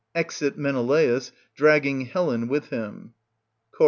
[Exit Menelaus, dragging Helen wttA him, Cho.